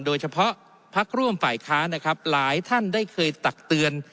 โดยเฉพาะพักร่วมฝ่ายค้านะครับหลายท่านได้เคยตักเตือน